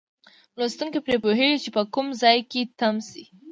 لوستونکی پرې پوهیږي چې په کوم ځای کې تم شي.